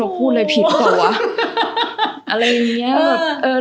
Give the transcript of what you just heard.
เราพูดอะไรผิดต่อวะอะไรอย่างเงี้ย